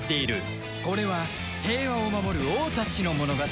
これは平和を守る王たちの物語